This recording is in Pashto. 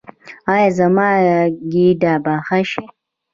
ایا زما ګیډه به ښه شي؟